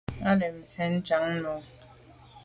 Á jí bɛ́n fá chàŋ mú.